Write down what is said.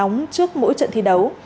nóng trước mỗi trận thi đấu